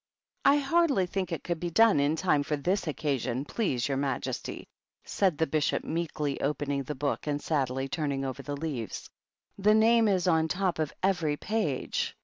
" I hardly think it could be done in time for this Occasion, please your majesty," said the Bishop, meekly, opening the book, and sadly turning over the leaves. "The name is on top of every page."